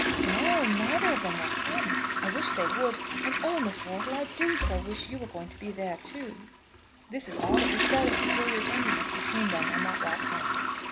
"No; neither of them will come. I wish they would; and oh, Miss Wortle, I do so wish you were going to be there too." This is all that was said of peculiar tenderness between them on that walk home.